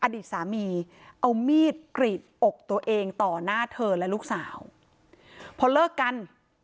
อดีตสามีเอามีดกรีดอกตัวเองต่อหน้าเธอและลูกสาวพอเลิกกัน